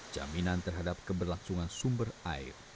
jaminan terhadap keberlangsungan sumber air